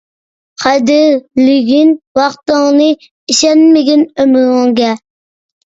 قەدىرلىگىن ۋاقتىڭنى، ئىشەنمىگىن ئۆمرۈڭگە.